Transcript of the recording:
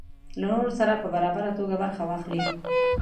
له نورو سره په برابره توګه برخه واخلي.